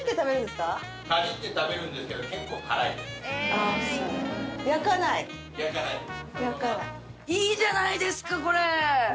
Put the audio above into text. あぁそう。いいじゃないですかこれ。